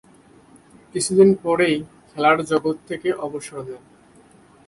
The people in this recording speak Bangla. কিছুদিন পরই খেলার জগৎ থেকে অবসর নেন।